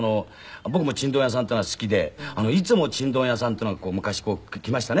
僕もチンドン屋さんっていうのは好きでいつもチンドン屋さんっていうのは昔こう来ましたね。